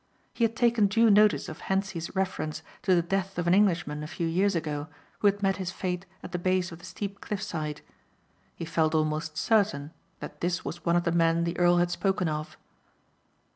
He had taken due notice of Hentzi's reference to the death of an Englishman a few years ago who had met his fate at the base of the steep cliff side. He felt almost certain that this was one of the men the earl had spoken of.